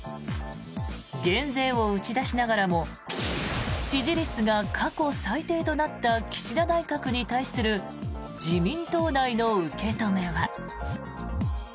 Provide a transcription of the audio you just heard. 減税を打ち出しながらも支持率が過去最低となった岸田内閣に対する自民党内の受け止めは。